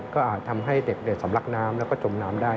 ก็อาจทำให้เด็กสำลักน้ำแล้วก็จมน้ำได้